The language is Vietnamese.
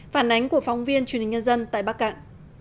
phản ánh của phóng viên truyền hình nhân dân tại bắc cạn